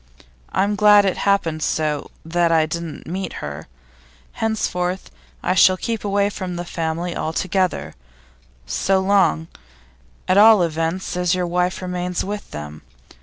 I'm glad it happened so that I didn't meet her. Henceforth I shall keep away from the family altogether, so long, at all events, as your wife remains with them.